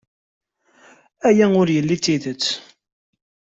Aya ur yelli d tidet.